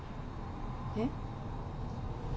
えっ？